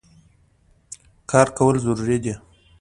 کار کول ضروري دی.